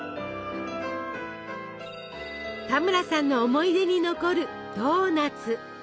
田村さんの思い出に残るドーナツ。